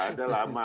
tidak ada lama